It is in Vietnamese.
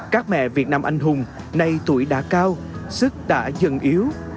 các mẹ việt nam anh hùng nay tuổi đã cao sức đã dần yếu